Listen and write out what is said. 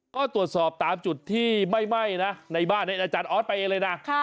ก็ตรวจสอบตามจุดที่ไหม้นะในบ้านอาจารย์ออสไปเองเลยนะ